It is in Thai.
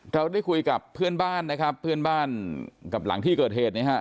เราได้คุยกับเพื่อนบ้านนะครับเพื่อนบ้านกับหลังที่เกิดเหตุเนี่ยฮะ